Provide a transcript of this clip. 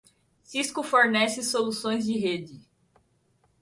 Cisco fornece soluções de rede.